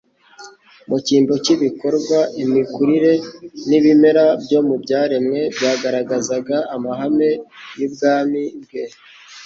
mu cyimbo cy'ibikorwa. Imikurire n'ibimera byo mu byaremwe byagaragazaga amahame y'ubwami bwe.